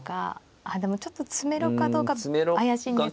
あでもちょっと詰めろかどうか怪しいんですか。